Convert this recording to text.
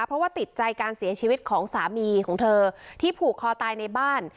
เพราะว่าติดใจการเสียชีวิตของสามีของเธอที่ผูกคอตายในบ้าน